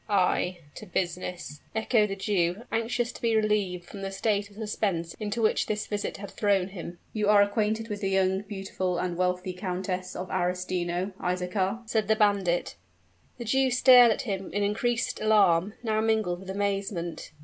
"Ay to business!" echoed the Jew, anxious to be relieved from the state of suspense into which this visit had thrown him. "You are acquainted with the young, beautiful, and wealthy Countess of Arestino, Isaachar?" said the bandit. The Jew stared at him in increased alarm, now mingled with amazement.